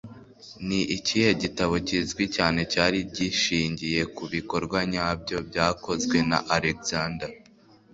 Ni ikihe gitabo kizwi cyane cyari gishingiye ku bikorwa nyabyo byakozwe na Alexander